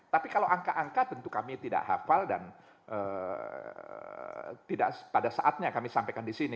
tapi kalau angka angka tentu kami tidak hafal dan tidak pada saatnya kami sampaikan di sini